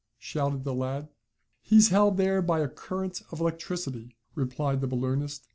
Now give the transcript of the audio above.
shouted the lad. "He's held there by a current of electricity," replied the balloonist.